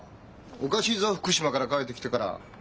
おかしいぞ福島から帰ってきてから。